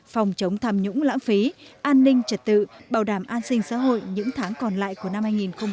phòng chống tham nhũng lãng phí an ninh trật tự bảo đảm an sinh xã hội những tháng còn lại của năm hai nghìn hai mươi